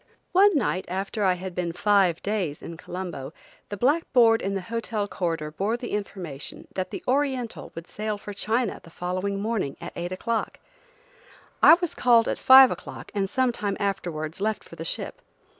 ONE night, after I had been five days in Colombo, the blackboard in the hotel corridor bore the information that the Oriental would sail for China the following morning, at eight o'clock. I was called at five o'clock and some time afterwards left for the ship.